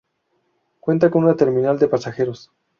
Cuenta con una terminal de pasajeros.